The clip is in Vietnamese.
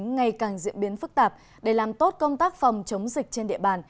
ngày càng diễn biến phức tạp để làm tốt công tác phòng chống dịch trên địa bàn